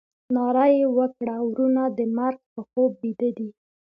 ناره یې وکړه ورونه د مرګ په خوب بیده دي.